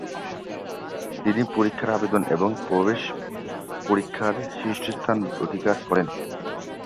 তিনি পরীক্ষার আবেদন এবং প্রবেশ পরীক্ষার শীর্ষস্থান অধিকার করেন।